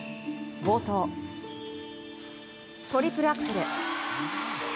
冒頭、トリプルアクセル。